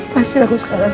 pastilah aku sekarang